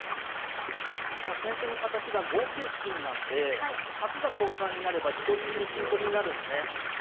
まあ先手の形が５九金なんで角が交換になれば自動的に金取りになるんでね。